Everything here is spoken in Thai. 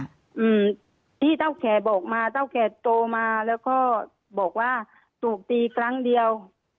อืมที่เท่าแก่บอกมาเต้าแขกโตมาแล้วก็บอกว่าถูกตีครั้งเดียว